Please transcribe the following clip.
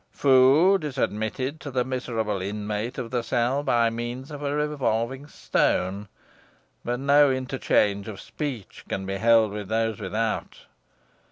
Food is admitted to the miserable inmate of the cell by means of a revolving stone, but no interchange of speech can be held with those without.